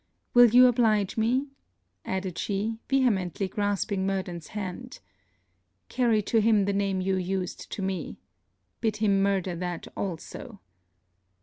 Will you oblige me?' added she, vehemently grasping Murden's hand 'Carry to him the name you used to me. Bid him murder that also.